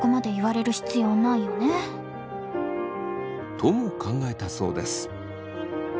とも考えたそうです。